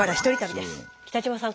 北島さん